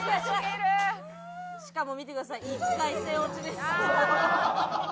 しかも見てください。